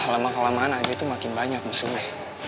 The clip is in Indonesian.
lama kelamaan aja itu makin banyak maksudnya